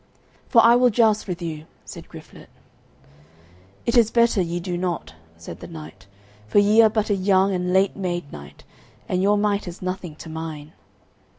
"For I will joust with you," said Griflet. "It is better ye do not," said the knight, "for ye are but a young and late made knight, and your might is nothing to mine."